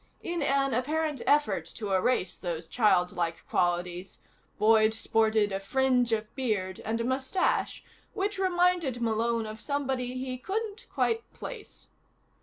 In an apparent effort to erase those childlike qualities, Boyd sported a fringe of beard and a moustache which reminded Malone of somebody he couldn't quite place.